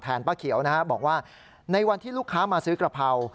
ป้าเขียวนะฮะบอกว่าในวันที่ลูกค้ามาซื้อกระเพรา